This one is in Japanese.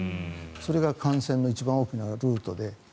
それが感染の一番大きなルートで。